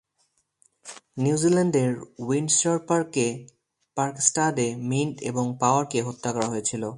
নিউজিল্যান্ডের Windsor Park স্ট্যাডে, Mint এবং পাওয়ারকে হত্যা করা হয়েছিল।